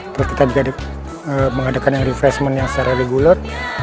terus kita juga mengadakan refreshment secara reguler